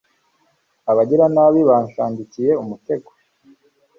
abagiranabi banshandikiye umutego